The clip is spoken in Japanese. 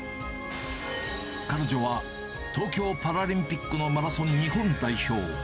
彼女は東京パラリンピックのマラソン日本代表。